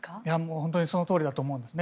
本当にそのとおりだと思うんですね。